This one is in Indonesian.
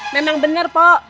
memang bener pok